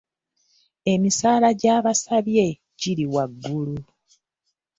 Emisaala gyebaasabye giri waggulu.